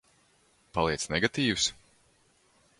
Paliec negatīvs?